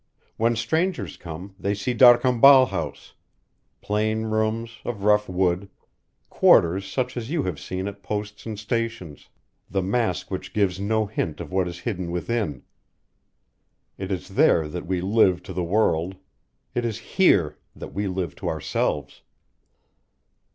When strangers come, they see D'Arcambal House; plain rooms, of rough wood; quarters such as you have seen at posts and stations; the mask which gives no hint of what is hidden within. It is there that we live to the world; it is here that we live to ourselves.